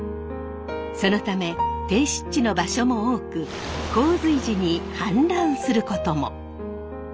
そのため低湿地の場所も多く洪水時に氾濫することも。